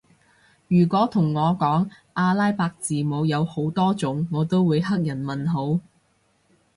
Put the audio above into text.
如果同我講阿拉伯字母有好多種我都會黑人問號